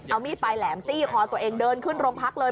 เอามีดปลายแหลมจี้คอตัวเองเดินขึ้นโรงพักเลย